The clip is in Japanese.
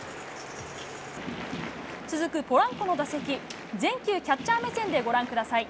続くポランコの打席、全球キャッチャー目線でご覧ください。